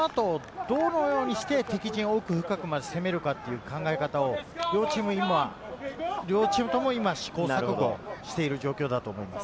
その後、どのようにして敵陣深くまで攻められるかという考え方を両チームとも今、試行錯誤している状況だと思います。